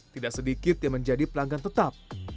tidak sedikit yang menjadi pelanggan tetap